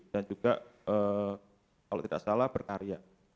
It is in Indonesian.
dan juga kalau tidak salah berkarya